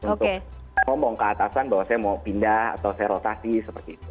untuk ngomong ke atasan bahwa saya mau pindah atau saya rotasi seperti itu